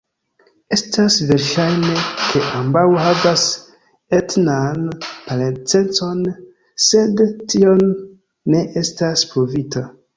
Estas verŝajne ke ambaŭ havas etnan parencecon sed tio ne estas pruvita.